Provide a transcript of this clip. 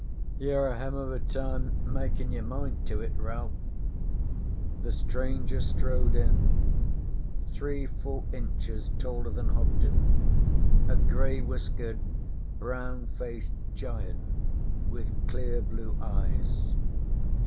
'You're a hem of a time makin' your mind to it, Ralph!' The stranger strode in three full inches taller than Hobden, a grey whiskered, brown faced giant with clear blue eyes.